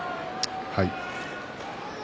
はい。